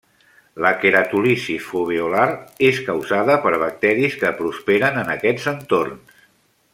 La queratòlisi foveolar és causada per bacteris, que prosperen en aquests entorns.